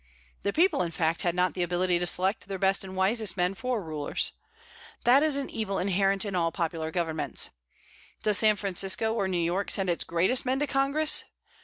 The people, in fact, had not the ability to select their best and wisest men for rulers. That is an evil inherent in all popular governments. Does San Francisco or New York send its greatest men to Congress?